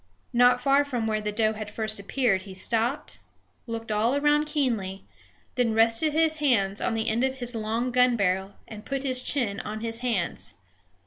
Not far from where the doe had first appeared he stopped, looked all around keenly, then rested his hands on the end of his long gun barrel, and put his chin on his hands.